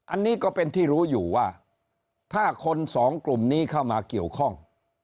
อันนี้ก็เป็นที่รู้อยู่ว่าถ้าคนสองกลุ่มนี้เข้ามาเกี่ยวข้อง